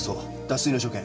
脱水の所見。